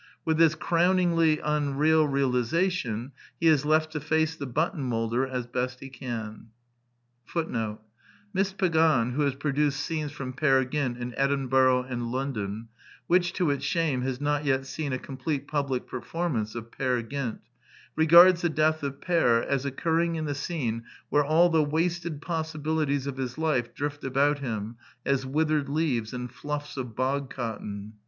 With this crowningly unreal realization he is left to face the button moulder as best he can.^ ^ M188 Pagan, who has produced scenes from Peer Gynt in Edin burgh and London (which, to its shame, has not yet seen a complete public performance of Peer Gynt), regards the death of Peer as oc curring in the scene where all the wasted possibilities of his life drift about him as withered leaves and fluflFs of bog cotton.